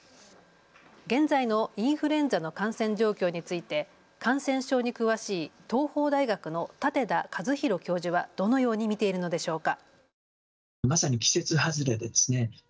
現在のインフルエンザの感染状況について感染症に詳しい東邦大学の舘田一博教授はどのように見ているのでしょうか。